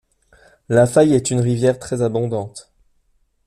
La Faye est une rivière très abondante.